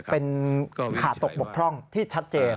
เป็นขาดตกบกพร่องที่ชัดเจน